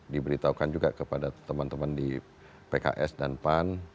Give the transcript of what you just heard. diberitahukan juga kepada teman teman di pks dan pan